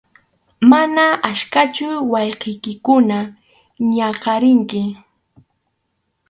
Mana achkachu wawqiykikuna ñakʼarinki.